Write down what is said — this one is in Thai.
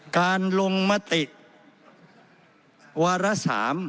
การลงมติวาระ๓